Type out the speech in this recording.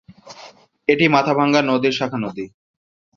এটি মাথাভাঙ্গা নদীর শাখা নদী।